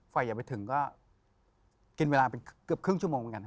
อย่าไปถึงก็กินเวลาเป็นเกือบครึ่งชั่วโมงเหมือนกันฮ